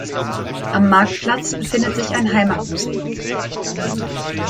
Am Marktplatz befindet sich ein Heimatmuseum.